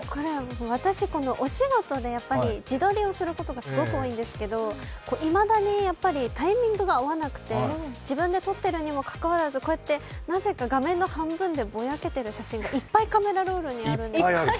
私、お仕事で自撮りをすることがすごく多いんですけど、いまだにタイミングが合わなくて、自分で撮ってるにもかかわらず、なぜか画面の半分がぼやけてる写真が、いっぱいカメラロールにあるんです。